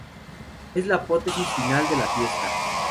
Es la apoteosis final de la fiesta.